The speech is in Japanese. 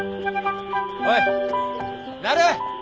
おいなる！